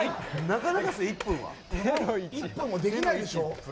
なかなかすよ１分は１分もできないでしょ